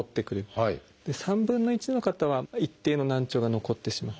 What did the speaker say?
３分の１の方は一定の難聴が残ってしまう。